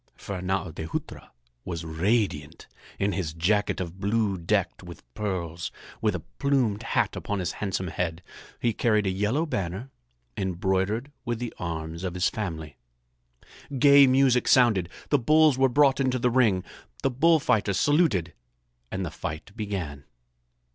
Fernâo de Hutra was radiant in his jacket of blue decked with pearls, with a plumed hat upon his handsome head. He carried a yellow banner embroidered with the arms of his family. Gay music sounded. The bulls were brought into the ring. The bullfighters saluted and the fight began.